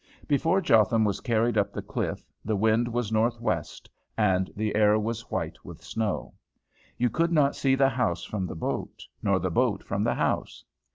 Before Jotham was carried up the cliff the wind was northwest, and the air was white with snow. You could not see the house from the boat, nor the boat from the house.